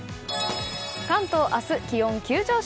関東は明日、気温急上昇。